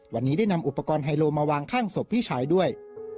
วันนี้ได้นำอุปกรณ์ไฮโลมาวางข้างศพพี่ชายด้วย